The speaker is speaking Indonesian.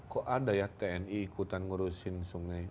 kok ada ya tni ikutan ngurusin sungai